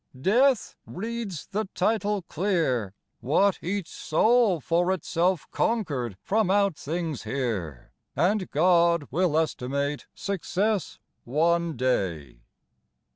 •' Death reads the title clear — What each soul for itself conquered from out things here " "And God will estimate success one day."